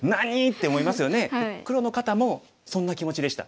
黒の方もそんな気持ちでした。